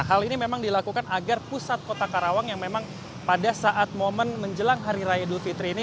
hal ini memang dilakukan agar pusat kota karawang yang memang pada saat momen menjelang hari raya idul fitri ini